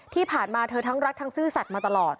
ที่ผ่านมาเธอทั้งรักทั้งซื่อสัตว์มาตลอด